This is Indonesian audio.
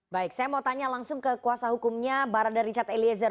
baik saya mau tanya langsung ke kuasa hukumnya barada richard eliezer